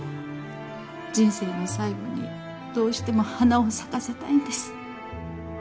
人生の最後にどうしても花を咲かせたいんです